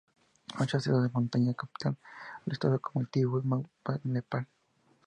Ocho accesos de montaña conectan al estado con el Tíbet, Bután y Nepal.